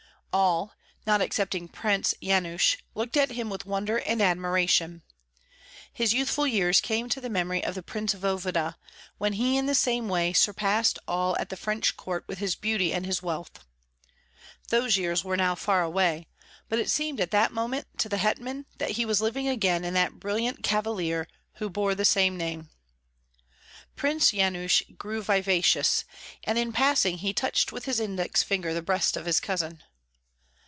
All, not excepting Prince Yanush, looked at him with wonder and admiration. His youthful years came to the memory of the prince voevoda, when he in the same way surpassed all at the French court with his beauty and his wealth. Those years were now far away, but it seemed at that moment to the hetman that he was living again in that brilliant cavalier who bore the same name. Prince Yanush grew vivacious, and in passing he touched with his index finger the breast of his cousin.